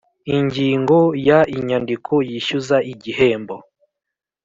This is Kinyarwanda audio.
Ingingo ya inyandiko yishyuza igihembo